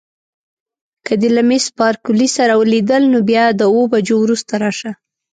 که دې له میس بارکلي سره لیدل نو بیا د اوو بجو وروسته راشه.